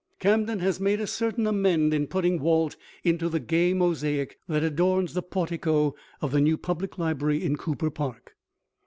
Camden has made a certain amend in putting Walt into the gay mosaic that adorns the portico of the new public library in Cooper Park.